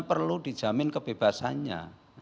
perlu dijamin kebebasannya